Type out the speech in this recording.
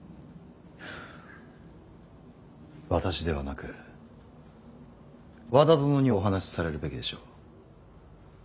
私ではなく和田殿にお話しされるべきでしょう。